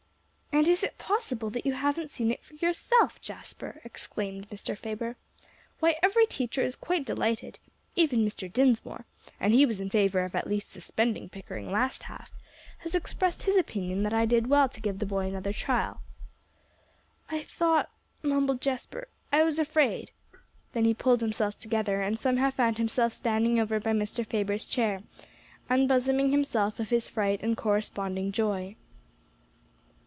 "And is it possible that you haven't seen it for yourself, Jasper?" exclaimed Mr. Faber. "Why, every teacher is quite delighted. Even Mr. Dinsmore and he was in favor of at least suspending Pickering last half has expressed his opinion that I did well to give the boy another trial." "I thought " mumbled Jasper, "I was afraid." Then he pulled himself together, and somehow found himself standing over by Mr. Faber's chair, unbosoming himself of his fright and corresponding joy.